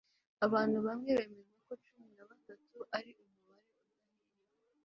Abantu bamwe bemeza ko cumi na batatu ari umubare udahiriwe